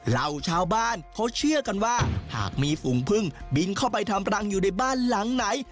เหล่าชาวบ้านเขาเชื่อกันว่าหากมีฝูงพึ่งบินเข้าไปทำรังอยู่ในบ้านหลังไหน